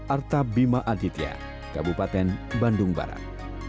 arta bima aditya kabupaten bandung barat